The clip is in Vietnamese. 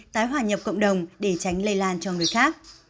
tái hòa nhập cộng đồng để tránh lây lan cho người khác